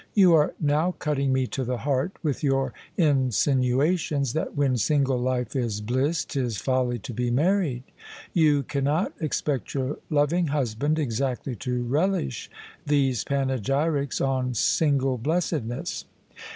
You are now cutting me to the heart with your insinuations that when single life is bliss 'tis folly to be married. You cannot ex pect your loving husband exactly to relish these panegyrics on single blessedness."